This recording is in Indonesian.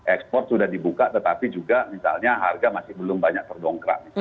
ekspor sudah dibuka tetapi juga misalnya harga masih belum banyak terdongkrak